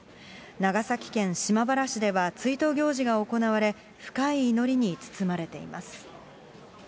長崎県島原市では追悼行事が行われ、深い祈りに包まれています。